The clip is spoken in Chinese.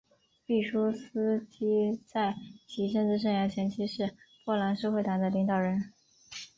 毕苏斯基在其政治生涯前期是波兰社会党的领导人。